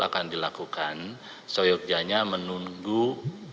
akan dilakukan soyogjanya menunggu komponen